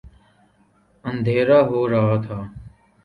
اندھیرا ہو رہا تھا۔